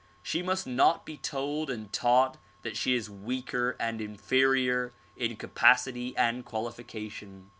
She must not be told and taught that she is weaker and inferior in capacity and qualification.